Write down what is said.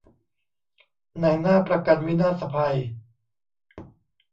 นายหน้าประกันวินาศภัย